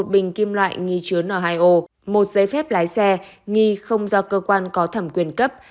một bình kim loại nghi chứa n hai o một giấy phép lái xe nghi không do cơ quan có thẩm quyền cấp